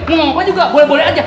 mau ngomong apa juga boleh boleh aja